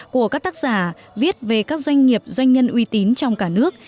của các tác giả viết về các doanh nghiệp doanh nhân uy tín trong cả nước